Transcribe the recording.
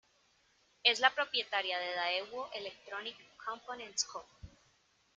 Es la propietaria de Daewoo Electronic Components Co.